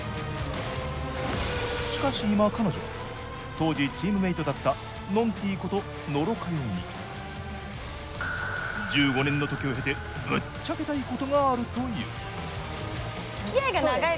しかし今彼女は当時チームメートだったのんてぃこと野呂佳代に１５年の時を経てぶっちゃけたいことがあるという。